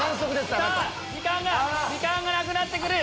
さぁ時間がなくなって来る！